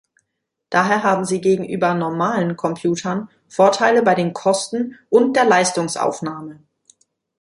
Daher haben sie gegenüber „normalen“ Computern Vorteile bei den Kosten und der Leistungsaufnahme.